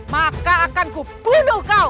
maka akan kupunuh kau